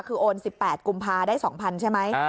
คือโอน๑๘กุมภาได้๒๐๐ใช่ไหม